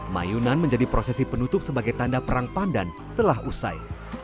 mayunan menjadi prosesi penutup sebagai tanda perang pandan telah usai